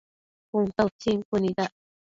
Cun ta utsin cuënuidac